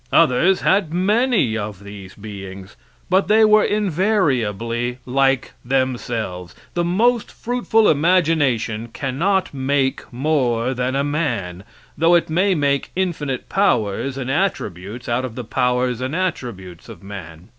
Others had many of these beings, but they were invariably like themselves. The most fruitful imagination cannot make more than a man, though it may make infinite powers and attributes out of the powers and attributes of man.